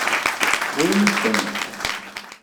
Wwint-tent.